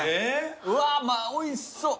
うわおいしそう。